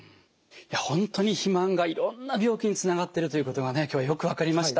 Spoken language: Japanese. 本当に肥満がいろんな病気につながっているということが今日はよく分かりました。